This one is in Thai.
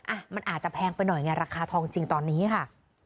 อ่ะมันอาจจะแพงไปหน่อยไงราคาทองจริงตอนนี้ค่ะ